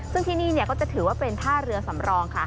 ซึ่งที่นี่ก็จะถือว่าเป็นท่าเรือสำรองค่ะ